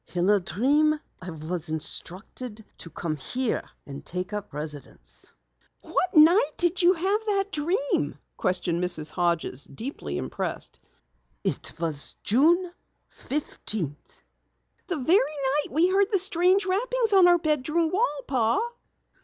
In a dream I was instructed to come here and take up residence." "What night did you have the dream?" questioned Mrs. Hodges, deeply impressed. "It was June fifteenth." "The very night we heard the strange rappings on our bedroom wall, Pa."